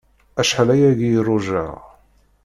Acḥal ayagi i rujaɣ.